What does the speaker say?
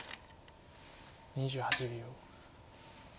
２８秒。